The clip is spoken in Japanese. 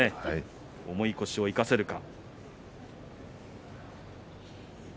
重い腰を生かせるか。